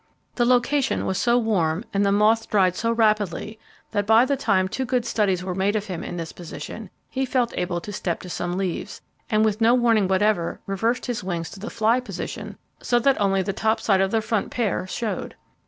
The location was so warm, and the moth dried so rapidly, that by the time two good studies were made of him in this position, he felt able to step to some leaves, and with no warning whatever, reversed his wings to the 'fly' position, so that only the top side of the front pair showed.